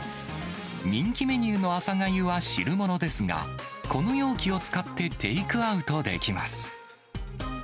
人気メニューの朝がゆは汁物ですが、この容器を使ってテイクアウトできます。